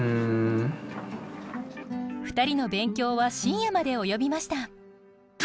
２人の勉強は深夜まで及びました。